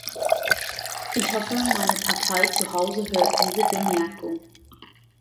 Ich hoffe, meine Partei zu Hause hört diese Bemerkung.